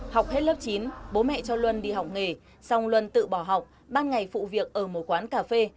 học hết lớp chín bố mẹ cho luân đi học nghề xong luân tự bỏ học ban ngày phụ việc ở một quán cà phê